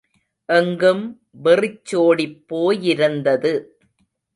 எங்கும் வெறிச்சோடிப் போயிருந்தது.